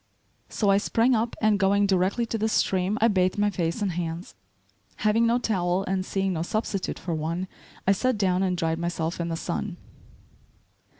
So I sprang up and going directly to the stream I bathed my face and hands. Having no towel and seeing no substitute for one, I sat down and dried myself in the sun.